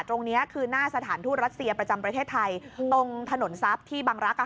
ตรงนี้คือหน้าสถานทูตรัสเซียประจำประเทศไทยตรงถนนทรัพย์ที่บังรักษ์